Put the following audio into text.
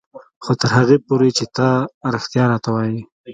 خو تر هغې پورې چې ته رښتيا راته وايې.